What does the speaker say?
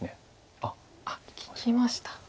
あっ利きました。